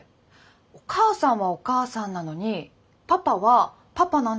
お母さんは「お母さん」なのにパパは「パパ」なんですねって。